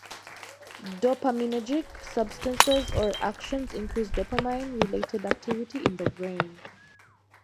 Dopaminergic substances or actions increase dopamine-related activity in the brain.